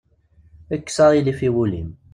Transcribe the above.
Kkes aɣilif i wul-im.